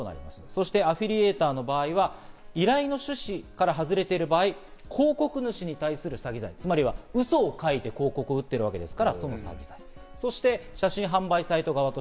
そしてアフィリエイターの場合は依頼の趣旨から外れている場合、広告主に対する詐欺罪、つまりはうそを書いて広告を打ってるわけですから。